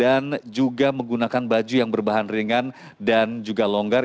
dan juga menggunakan baju yang berbahan ringan dan juga longgar